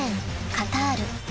カタール］